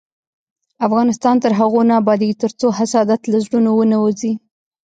افغانستان تر هغو نه ابادیږي، ترڅو حسادت له زړونو ونه وځي.